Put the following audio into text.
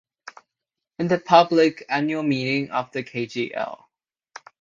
In the public annual meeting of the Kgl.